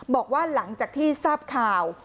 บอกว่าหลังจากที่ทราบข่าว